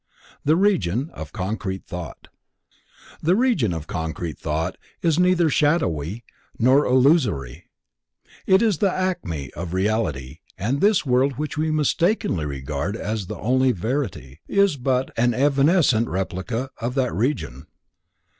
The Region of Concrete Thought. The Region of concrete Thought is neither shadowy nor illusory. It is the acme of reality and this world which we mistakenly regard as the only verity, is but an evanescent replica of that Region.